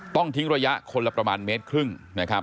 ต้องทิ้งระยะคนละประมาณเมตรครึ่งนะครับ